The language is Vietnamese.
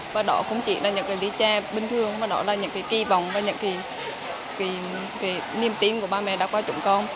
và đó không chỉ là những lý chè bình thường mà đó là những kỳ vọng và những niềm tin của ba mẹ đã qua chúng con